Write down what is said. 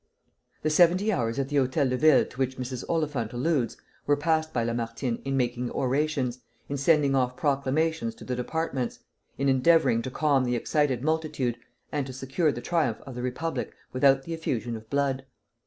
The seventy hours at the Hôtel de Ville to which Mrs. Oliphant alludes were passed by Lamartine in making orations, in sending off proclamations to the departments, in endeavoring to calm the excited multitude and to secure the triumph of the Republic without the effusion of blood.